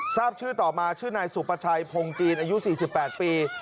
ทราบชื่อต่อมาชื่อนายสุประชัยพงจีนอายุ๔๘ปี